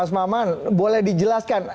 mas maman boleh dijelaskan